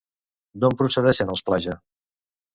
D'on procedeixen els Plaja?